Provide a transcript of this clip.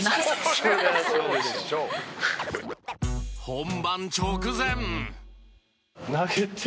本番直前。